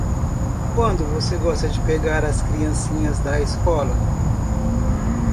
Quando você gosta de pegar as criancinhas da escola?